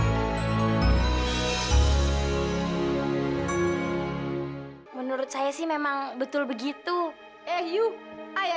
sampai jumpa di video selanjutnya